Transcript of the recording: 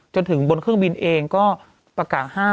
จนถึงบนเครื่องบินเองก็ประกาศห้าม